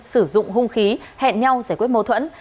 sử dụng hung khí hẹn nhau giải quyết mâu thuẫn